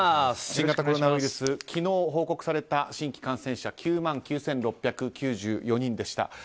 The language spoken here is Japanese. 新型コロナウイルス昨日報告された新規感染者９万９６９４人でした。